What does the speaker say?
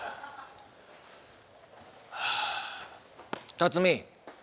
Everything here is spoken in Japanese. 辰巳。